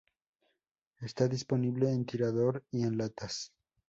Está disponible en tirador y en latas.